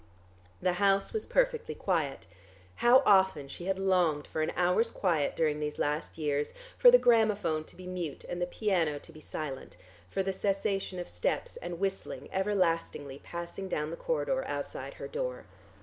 The house was perfectly quiet; how often she had longed for an hour's quiet during these last years, for the gramophone to be mute, and the piano to be silent, for the cessation of steps and whistling everlastingly passing down the corridor outside her door!